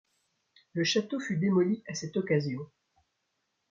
Le château fut démoli à cette occasion.